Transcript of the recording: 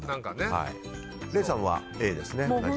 礼さんはＡですね。